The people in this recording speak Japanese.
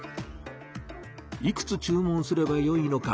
いくつ注文すればよいのか。